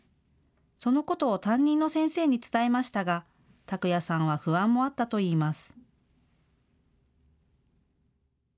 そのことを担任の先生に伝えましたが、琢哉さんは不安もあったといいます。